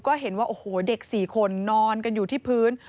ก็เห็นว่าโอ้โหเด็ก๔คนนอนกันอยู่ที่พื้น